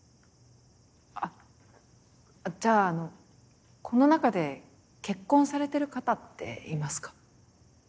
あっじゃああのこの中で結婚されてる方っていますか？